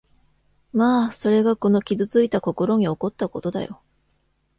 まあ、それがこの傷ついた心に起こったことだよ。